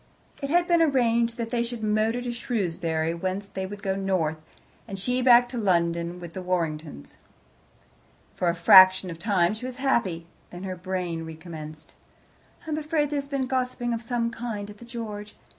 It had been arranged that they should motor to Shrewsbury, whence he would go north, and she back to London with the Warringtons. For a fraction of time she was happy. Then her brain recommenced. "I am afraid there has been gossiping of some kind at the George.